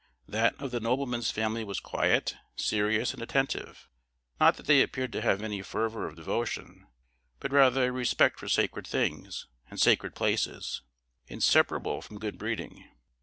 That of the nobleman's family was quiet, serious, and attentive. Not that they appeared to have any fervor of devotion, but rather a respect for sacred things, and sacred places, inseparable from good breeding.